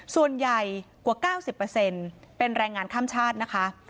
ส่วนใหญ่กว่า๙๐เป็นแรงงานข้ามชาตินะคะ